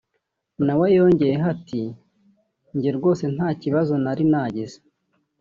nawe yongeyeho ati “Njye rwose nta kibazo nari nagize